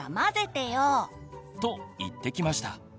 と言ってきました。